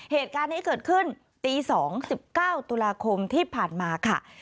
เหตุการณ์นี้เกิดขึ้นตี๒๑๙ตุลาคมที่ผ่านมาค่ะ